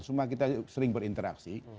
semua kita sering berinteraksi